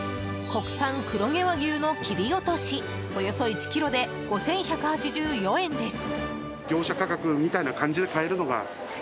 国産黒毛和牛の切り落としおよそ１ｋｇで５１８４円です。